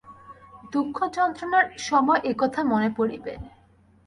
দুঃখযন্ত্রণার সময় একথা মনে পড়িবে।